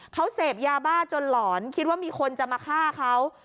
เขาเสพยาบ้าจนหลอนคิดว่ามีคนจะมาฆ่าเขา